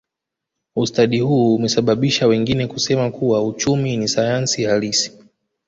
Ustadi huu umesababisha wengine kusema kuwa uchumi ni sayansi halisi